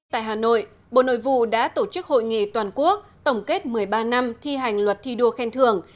tại hà nội bộ nội vụ đã tổ chức hội nghị toàn quốc tổng kết một mươi ba năm thi hành luật thi đua khen thưởng